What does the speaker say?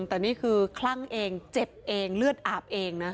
แต่นี่คือคลั่งเองเจ็บเองเลือดอาบเองนะ